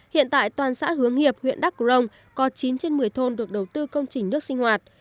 hiện tại toàn xã hướng hiệp huyện đắc cửu rồng có chín trên một mươi thôn được đầu tư công trình nước sinh hoạt